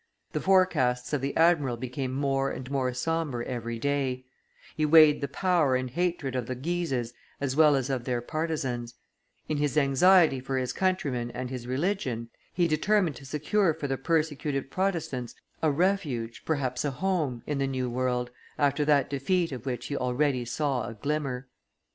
The forecasts of the admiral became more and more sombre every day; he weighed the power and hatred of the Guises as well as of their partisans; in his anxiety for his countrymen and his religion he determined to secure for the persecuted Protestants a refuge, perhaps a home, in the new world, after that defeat of which he already saw a glimmer.